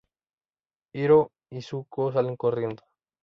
Iroh y Zuko salen corriendo.